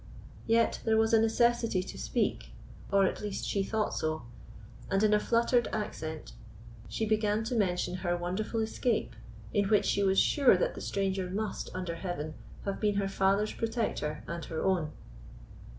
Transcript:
Yet there was a necessity to speak, or at last she thought so, and in a fluttered accent she began to mention her wonderful escape, in which she was sure that the stranger must, under Heaven, have been her father's protector and her own.